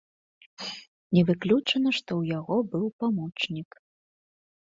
Не выключана, што ў яго быў памочнік.